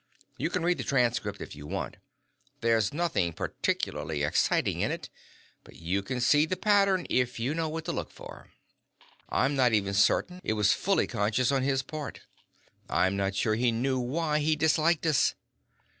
You can read the transcript if you want. There's nothing particularly exciting in it, but you can see the pattern if you know what to look for. "I'm not even certain it was fully conscious on his part; I'm not sure he knew why he disliked us.